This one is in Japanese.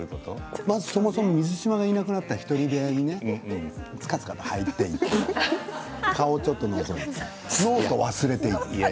まず、そもそも水島がいなくなったと１人部屋にずかずか入っていって顔をちょっとのぞいてノートを忘れていた。